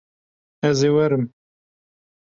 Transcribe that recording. Ez ê werim.